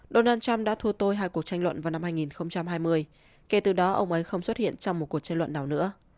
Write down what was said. donald trump đã thua tôi hai cuộc tranh luận vào năm hai nghìn hai mươi kể từ đó ông ấy không xuất hiện trong một cuộc tranh luận nào nữa